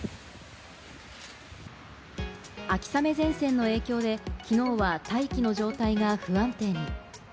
秋雨前線の影響できのうは大気の状態が不安定に。